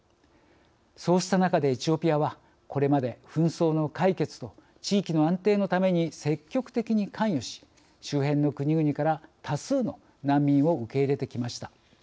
そうした中でエチオピアはこれまで紛争の解決と地域の安定のために積極的に関与し周辺の国々から多数の難民を受け入れてきました。